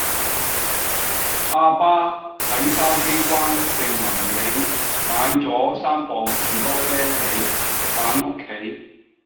亞爸喺筲箕灣盛民里買左三磅士多啤梨返屋企